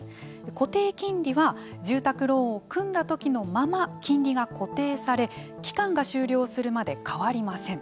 固定金利は住宅ローンを組んだ時のまま金利が固定され期間が終了するまで変わりません。